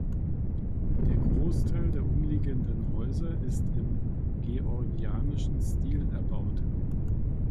Der Großteil der umliegenden Häuser ist im Georgianischen Stil erbaut.